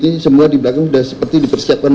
ini semua di belakang sudah seperti dipersiapkan